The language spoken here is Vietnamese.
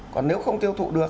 còn nếu không tiêu thụ được